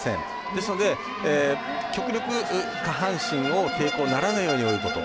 ですので、極力下半身を抵抗にならないように泳ぐこと。